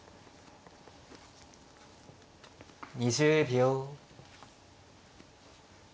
２０秒。